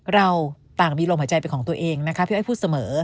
เราต่างมีลมหายใจเป็นของตัวเองนะคะพี่อ้อยพูดเสมอ